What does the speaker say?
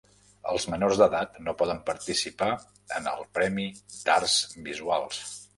Els menors d'edat no poden participar en el premi d'Arts Visuals.